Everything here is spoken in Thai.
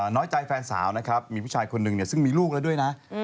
น้อยใจแฟนสาวนะครับมีผู้ชายคนหนึ่งซึ่งมีลูกแล้วด้วยนะ